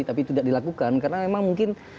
tapi tidak dilakukan karena memang mungkin